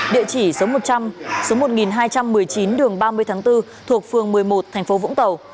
địa chỉ số một trăm linh số một nghìn hai trăm một mươi chín đường ba mươi tháng bốn thuộc phường một mươi một thành phố vũng tàu